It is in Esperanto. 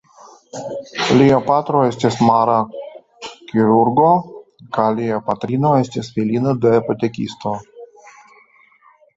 Lia patro estis mara kirurgo kaj lia patrino estis filino de apotekisto.